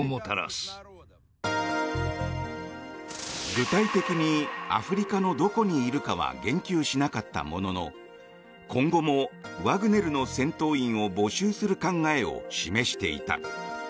具体的にアフリカのどこにいるかは言及しなかったものの今後もワグネルの戦闘員を募集する考えを示していた。